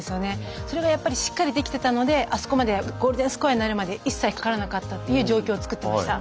それがしっかりできていたのであそこまでゴールデンスコアになるまで一切、かからなかったという状況を作っていました。